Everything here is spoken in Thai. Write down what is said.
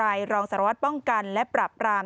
การจัดการรองสารวัตรป้องกันและปรับกราม